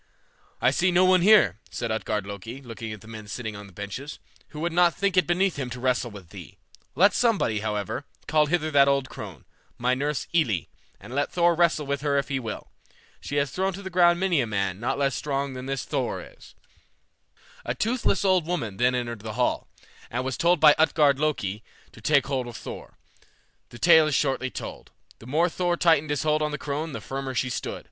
"I see no one here," said Utgard Loki, looking at the men sitting on the benches, "who would not think it beneath him to wrestle with thee; let somebody, however, call hither that old crone, my nurse Elli, and let Thor wrestle with her if he will. She has thrown to the ground many a man not less strong than this Thor is." A toothless old woman then entered the hall, and was told by Utgard Loki to take hold of Thor. The tale is shortly told. The more Thor tightened his hold on the crone the firmer she stood.